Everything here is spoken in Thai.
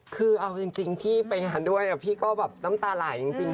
คือเอาจริงพี่ไปงานด้วยพี่ก็แบบน้ำตาไหลจริง